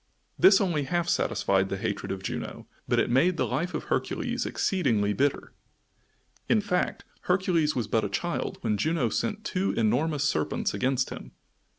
This only half satisfied the hatred of Juno, but it made the life of Hercules exceedingly bitter. In fact, Hercules was but a child, when Juno sent two enormous serpents against him.